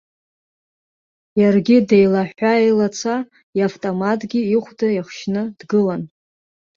Иаргьы деилаҳәа-еилаца, иавтоматгьы ихәда иахшьны дгылан.